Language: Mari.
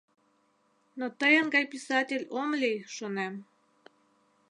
Но тыйын гай писатель ом лий, шонем.